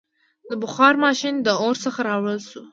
• د بخار ماشین د اور څخه راوړل شو.